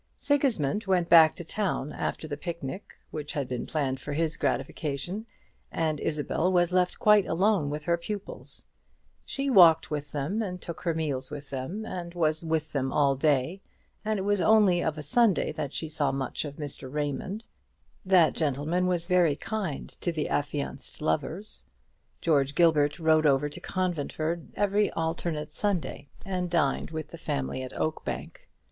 Sigismund went back to town after the picnic which had been planned for his gratification, and Isabel was left quite alone with her pupils. She walked with them, and took her meals with them, and was with them all day; and it was only of a Sunday that she saw much of Mr. Raymond. That gentleman was very kind to the affianced lovers. George Gilbert rode over to Conventford every alternate Sunday, and dined with the family at Oakbank.